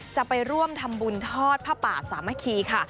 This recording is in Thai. จะไปร่วมทำบุญทอดผ้าป่าสามัคคีค่ะ